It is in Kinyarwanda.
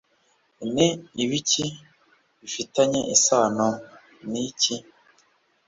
ni ibiki bifitanye isano n'iki